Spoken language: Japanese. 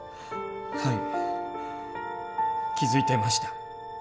はい気付いてました。